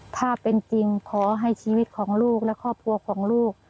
ถ้าเป็นจริงขอให้ชีวิตของลูกและครอบครัวของลูก